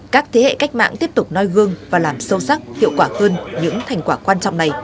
các thế hệ cách mạng tiếp tục noi gương và làm sâu sắc hiệu quả hơn những thành quả quan trọng này